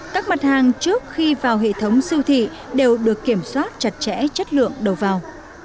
các mặt hàng trước khi vào hệ thống siêu thị đều được kiểm soát chặt chẽ chất lượng đầu vào